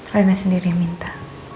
rena sendiri yang minta